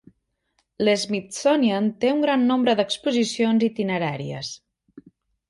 L'Smithsonian té un gran nombre d'exposicions itineràries.